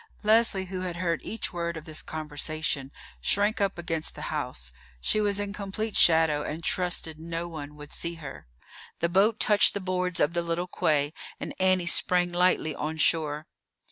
Leslie, who had heard each word of this conversation, shrank up against the house; she was in complete shadow, and trusted no one would see her. The boat touched the boards of the little quay, and Annie sprang lightly on shore.